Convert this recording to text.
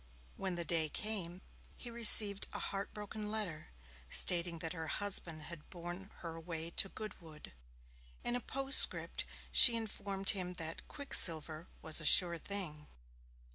When the day came, he received a heart broken letter, stating that her husband had borne her away to Goodwood. In a postscript she informed him that 'Quicksilver was a sure thing'.